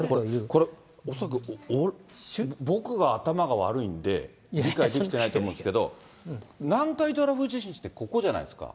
これ、恐らく、僕が頭が悪いんで、理解できてないと思うんですけど、南海トラフ地震ってここじゃないですか。